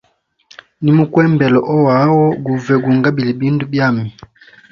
Nimukuembela oaho guve gu ngabile bindu byami.